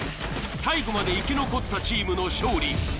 最後まで生き残ったチームの勝利。